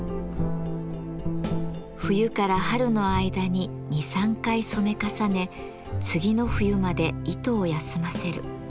冬から春の間に２３回染め重ね次の冬まで糸を休ませる。